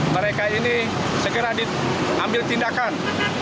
mereka ini segera diambil tindakan